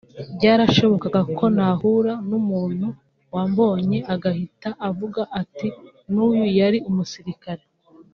byarashobokaga ko nahura n’umuntu wambonye agahita avuga ati n’uyu yari umusirikare